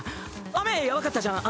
雨やばかったじゃん